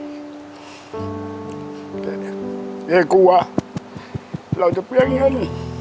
เฮ้กลัวเราจะเปรี้ยงเงิน